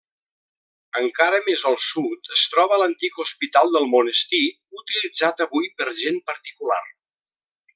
Encara més al sud es troba l'antic hospital del monestir, utilitzat avui per gent particular.